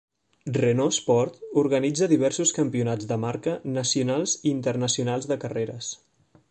Renault Sport organitza diversos campionats de marca nacionals i internacionals de carreres.